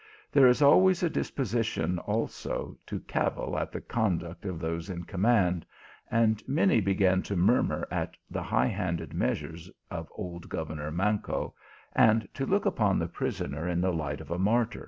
There is always a disposition, also, to cavil at the conduct of those m command, and many began to murmur at the high handed measures of old governor Manco, and to look upon the prisoner in the light of a martyr.